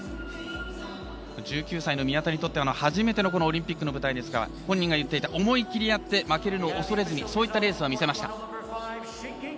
１９歳の宮田にとっては初めてのオリンピックの舞台ですが本人が言っていた思い切りやって負けるのを恐れずにそういったレースを見せました。